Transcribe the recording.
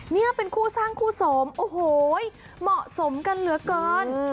นี่เป็นคู่สร้างคู่สมโอ้โหเหมาะสมกันเหลือเกิน